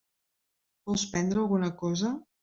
Vols prendre alguna cosa?